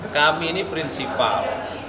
kami ini prinsipal